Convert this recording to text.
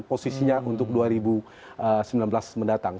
posisinya untuk dua ribu sembilan belas mendatang